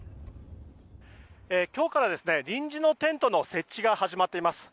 今日から臨時のテントの設置が始まっています。